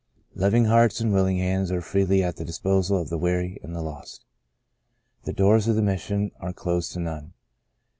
Loving hearts and willing hands are freely at the disposal of the weary and the lost. The doors of the Mission are closed to none.